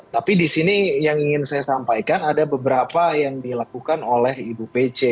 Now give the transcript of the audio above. tapi di sini yang ingin saya sampaikan ada beberapa yang dilakukan oleh ibu pece